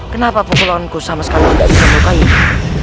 kenapa pukulanku sama sekali tidak bisa membukainya